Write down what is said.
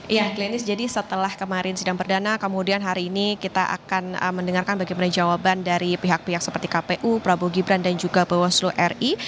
iya klinis jadi setelah kemarin sidang perdana kemudian hari ini kita akan mendengarkan bagaimana jawaban dari pihak pihak seperti kpu prabowo gibran dan juga bawaslu ri